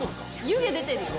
・湯気出てるよ。